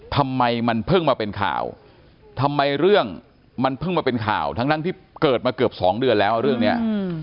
ทำไมมันเพิ่งมาเป็นข่าวทำไมเรื่องมันเพิ่งมาเป็นข่าวทั้งที่เกิดมาเกือบสองเดือนแล้วเรื่องนี้